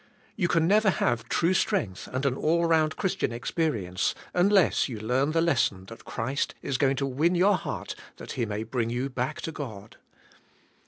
You can never have true strength and an all round Christian experience unless you learn the lesson that Christ is going to win your heart that He may bring you back to God.